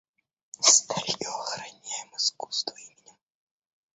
Старье охраняем искусства именем.